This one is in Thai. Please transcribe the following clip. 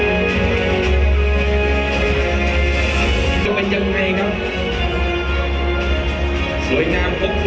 เมื่อเวลาอันดับสุดท้ายมันกลายเป้าหมายเป้าหมาย